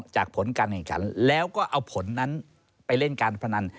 ผลการแข่งขันแล้วก็เอาผลนั้นไปเล่นการพนัน